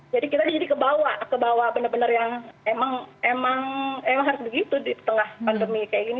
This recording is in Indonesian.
jadi kita jadi kebawa kebawa benar benar yang emang harus begitu di tengah pandemi kayak gini